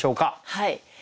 はい。